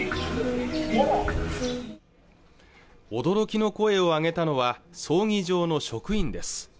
驚きの声を上げたのは葬儀場の職員です